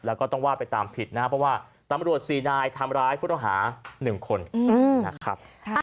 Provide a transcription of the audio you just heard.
แล้วก็ต้องว่าไปตามผิดนะครับเพราะว่าตำรวจ๔นายทำร้ายผู้ต้องหา๑คนนะครับ